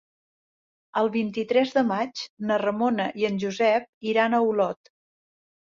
El vint-i-tres de maig na Ramona i en Josep iran a Olot.